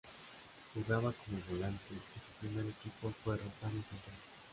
Jugaba como volante y su primer equipo fue Rosario Central.